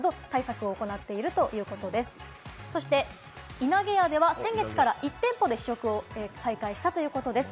いなげやでは先月から１店舗で試食を再開したということです。